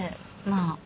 まあ。